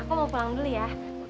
aku mau pulang beli ya